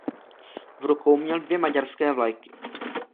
V rukou měl dvě maďarské vlajky.